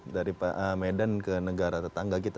dari medan ke negara tetangga kita